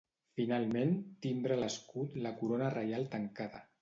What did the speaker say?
Finalment, timbra l'escut la corona reial tancada.